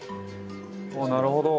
なるほど。